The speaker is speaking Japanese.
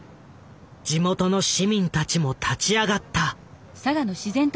地元の市民たちも立ち上がった。